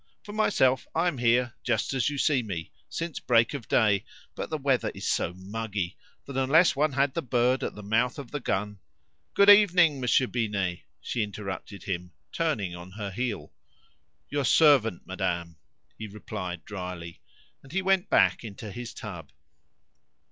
For myself, I am here, just as you see me, since break of day; but the weather is so muggy, that unless one had the bird at the mouth of the gun " "Good evening, Monsieur Binet," she interrupted him, turning on her heel. "Your servant, madame," he replied drily; and he went back into his tub.